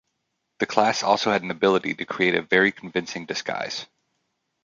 The class also had an ability to create a very convincing disguise.